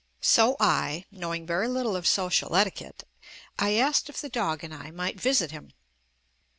So I, knowing very little of social etiquette, I asked if the dog and I might visit him.